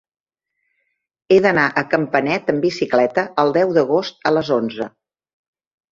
He d'anar a Campanet amb bicicleta el deu d'agost a les onze.